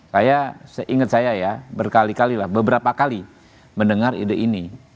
saya seingat saya ya berkali kali lah beberapa kali mendengar ide ini